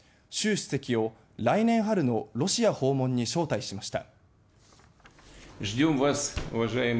主席を、来年春のロシア訪問に招待しました。